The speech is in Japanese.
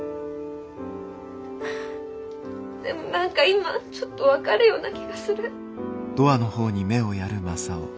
でも何か今ちょっと分かるような気がする。